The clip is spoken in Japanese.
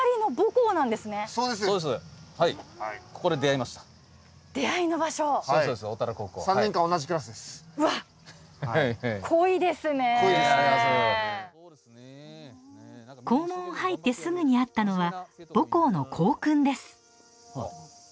校門を入ってすぐにあったのは母校の校訓ですあっ。